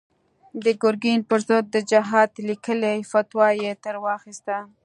د ګرګين پر ضد د جهاد ليکلې فتوا يې ترې واخيسته.